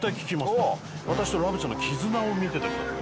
私とラブちゃんの絆を見ててください。